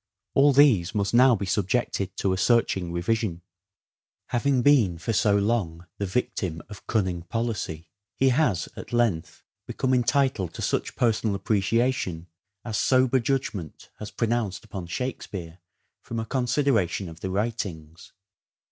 All these must now be subjected to a searching re vision. 406 "SHAKESPEARE' IDENTIFIED Having been for so long the victim of " cunning policy," he has, at length, become entitled to such personal appreciation as sober judgment has pro nounced upon " Shakespeare " from a consideration of the writings.